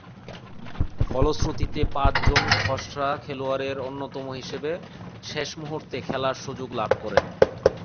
ফলশ্রুতিতে পাঁচজন খসড়া খেলোয়াড়ের অন্যতম হিসেবে শেষ মুহুর্তে খেলার সুযোগ লাভ করেন।